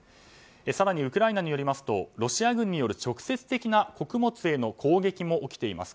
更にウクライナによりますとロシア軍による直接的な穀物への攻撃も起きています。